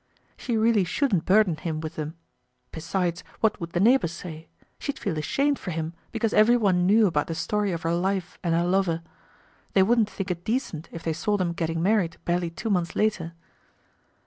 She really shouldn't burden him with them. Besides, what would the neighbors say? She'd feel ashamed for him because everyone knew about the story of her life and her lover. They wouldn't think it decent if they saw them getting married barely two months later.